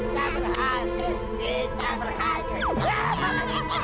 kita berhasil kita berhasil kita berhasil